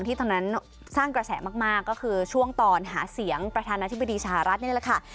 ที่ตอนนั้นสร้างกระแสมากก็คือช่วงตอนหาเสียงประธานาธิบดีสหรัฐนี่แหละค่ะ